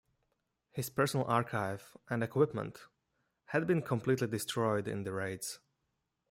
His personal archive and equipment had been completely destroyed in the raids.